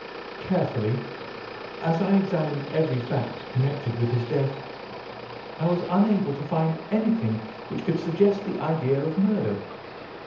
Carefully as I examined every fact connected with his death, I was unable to find anything which could suggest the idea of murder.